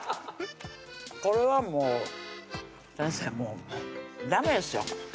これはもう先生もうダメですよ